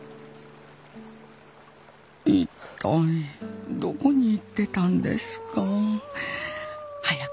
一体どこに行ってたんですか？